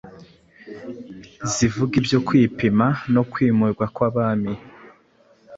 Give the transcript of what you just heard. zivuga ibyo kwima no kwimurwa kw’abami